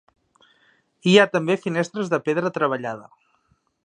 Hi ha també finestres de pedra treballada.